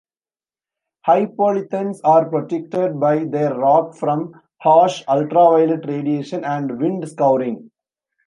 Hypolithons are protected by their rock from harsh ultraviolet radiation and wind scouring.